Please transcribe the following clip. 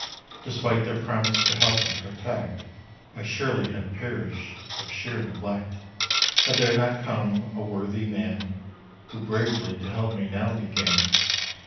Despite their promise to help and protect, I surely had perished of sheer neglect, Had there not come a worthy man, Who bravely to help me now began.